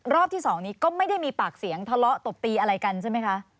รอบที่๒นี้ก็ไม่ได้มีปากเสียงทะเลาะตบตีอะไรกันใช่ไหมคะ